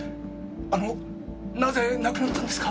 あのなぜ亡くなったんですか？